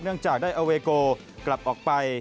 เนื่องจากได้เอาเวโก่กลับออกไป